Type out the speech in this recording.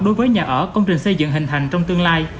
đối với nhà ở công trình xây dựng hình thành trong tương lai